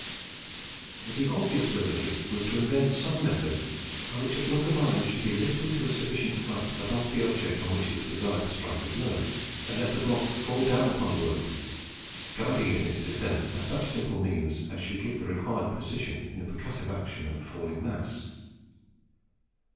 The obvious remedy was to invent some method, by which a block of iron should be lifted to a sufficient height above the object on which it was desired to strike a blow, and let the block fall down upon the work, guiding it in its descent by such simple means as should give the required precision in the percussive action of the falling mass.